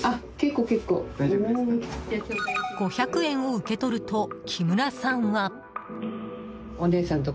５００円を受け取ると木村さんは。